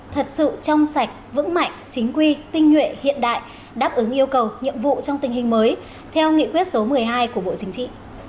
thật sự trong sạch vững mạnh chính quy tinh nhuệ hiện đại đáp ứng yêu cầu nhiệm vụ trong tình hình mới theo nghị quyết số một mươi hai của bộ chính trị